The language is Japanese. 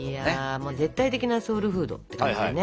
絶対的なソウルフードって感じでね。